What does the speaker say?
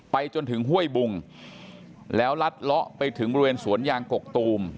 จนถึงห้วยบุงแล้วลัดเลาะไปถึงบริเวณสวนยางกกตูม